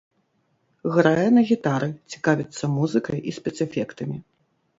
Грае на гітары, цікавіцца музыкай і спецэфектамі.